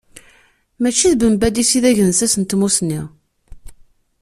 Mačči d Ben Badis i d agensas n tmusni.